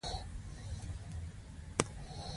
زه له خطر سره مخامخ شوم.